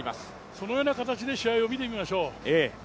そのような形で、試合を見てみましょう。